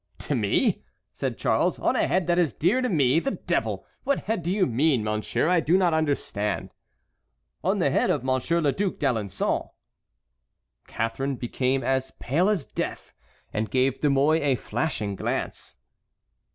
"To me!" said Charles; "on a head that is dear to me! The devil! what head do you mean, monsieur? I do not understand." "On the head of Monsieur le Duc d'Alençon." Catharine became as pale as death, and gave De Mouy a flashing glance.